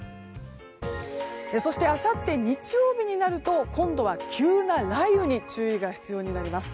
そして、あさって日曜日になると今度は急な雷雨に注意が必要になります。